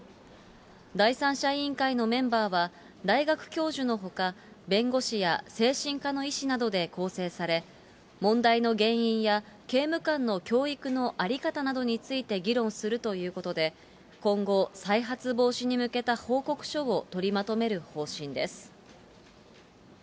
第三者委員会のメンバーは、大学教授のほか、弁護士や精神科の医師などで構成され、問題の原因や刑務官の教育の在り方などについて議論するということで、今後、再発防止に向けた報告書を取りまとめる方針です。